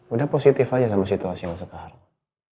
udah positif aja sama situasi yang sekarang